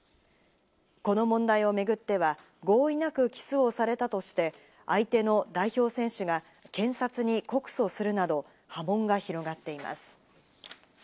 この問題を巡っては、合意なくキスをされたとして、相手の代表選手が検察に告訴するなど波紋が広がっています。